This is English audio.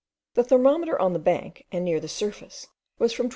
The thermometer on the bank, and near the surface, was from 12.